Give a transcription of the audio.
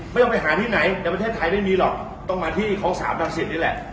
ไม่ต้องไปหาที่ไหนแต่ประเทศไทยไม่มีหรอกต้องมาที่ของสามรังสิตนี่แหละ